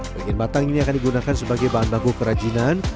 bagian batang ini akan digunakan sebagai bahan baku kerajinan